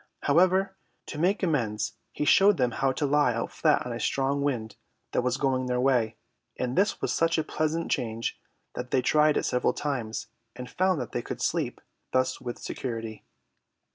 However, to make amends he showed them how to lie out flat on a strong wind that was going their way, and this was such a pleasant change that they tried it several times and found that they could sleep thus with security.